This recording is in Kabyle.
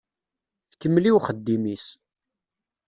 Tkemmel i uxeddim-is.